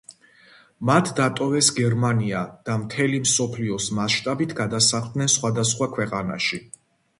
მათ დატოვეს გერმანია და მთელი მსოფლიოს მასშტაბით გადასახლდნენ სხვადასხვა ქვეყანაში.